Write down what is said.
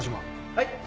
はい。